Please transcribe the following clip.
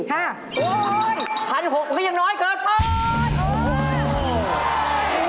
ค่ะโอ๊ย๑๖๐๐บาทก็ยังน้อยเกิน